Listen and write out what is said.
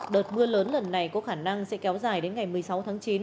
đợt mưa lớn lần này có khả năng sẽ kéo dài đến ngày một mươi sáu tháng chín